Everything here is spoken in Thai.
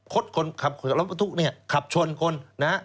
คนขับรถประทุกข์นี่ขับชนคนนะ